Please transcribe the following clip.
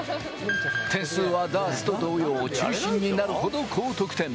点数はダーツと同様、中心になるほど高得点。